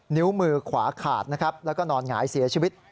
นิ้วมือขวาขาดนะครับแล้วก็นอนหงายเสียชีวิต